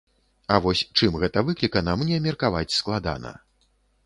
А вось чым гэта выклікана, мне меркаваць складана.